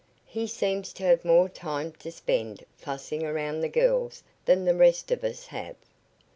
He seems to have more time to spend fussing around the girls than the rest of us have."